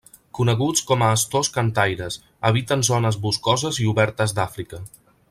Coneguts com a astors cantaires, habiten zones boscoses i obertes d'Àfrica.